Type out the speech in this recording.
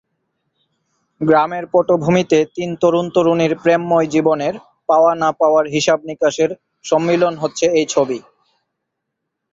গ্রামের পটভূমিতে তিন তরুণ-তরুণীর প্রেমময় জীবনের পাওয়া না পাওয়ার হিসাব-নিকাশের সম্মিলন হচ্ছে এই ছবি।